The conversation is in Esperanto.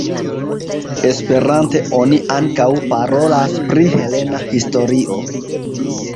Esperante oni ankaŭ parolas pri helena historio.